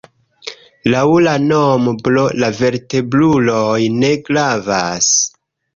Laŭ la nombro la vertebruloj ne gravas.